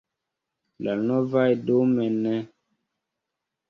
La novaj – dume ne.